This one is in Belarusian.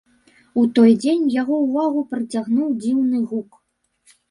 У той дзень яго ўвагу прыцягнуў дзіўны гук.